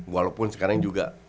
walaupun sekarang juga